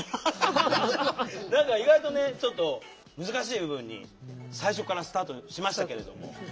何か意外とねちょっと難しい部分に最初からスタートしましたけれども。